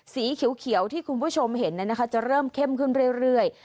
สีเขียวที่คุณผู้ชมเห็นจะเริ่มเข้มขึ้นเรื่อย